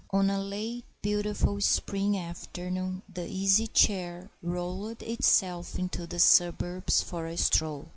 ON a late beautiful spring afternoon the Easy Chair rolled itself into the suburbs for a stroll.